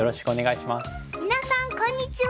皆さんこんにちは。